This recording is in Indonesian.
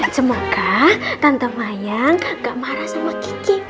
semoga tante mayang gak marah sama kiki